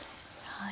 はい。